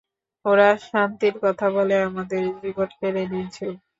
ওরা শান্তির কথা বলে আমাদের জীবন কেড়ে নিয়েছিল।